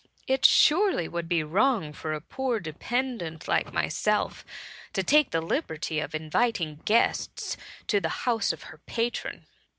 " It surely would be wrong for a poor dependant like myself, to take the liberty of inviting guests to the house of her patron."